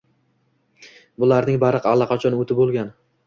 — Bularning bari allaqachon o‘tib bo‘lgan.